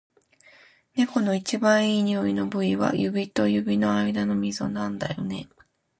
猫の一番いい匂いの部位は、指と指の間のみぞなんだよね。